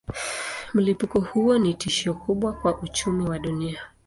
Mlipuko huo ni tishio kubwa kwa uchumi wa dunia.